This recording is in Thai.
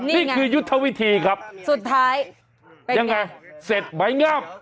นี่คือยุทธวิธีครับสุดท้ายยังไงเสร็จไหมงาม